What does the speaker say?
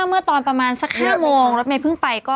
เมื่อตอนประมาณสัก๕โมงรถเมย์เพิ่งไปก็